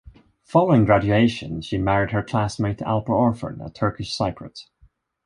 Following graduation, she married her classmate Alper Orhon, a Turkish Cypriot.